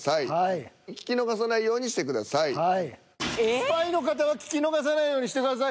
「スパイの方は聞き逃さないようにしてください」